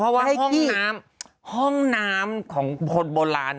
เพราะว่าห้องน้ำห้องน้ำของคนโบราณ